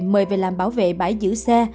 mời về làm bảo vệ bãi giữ xe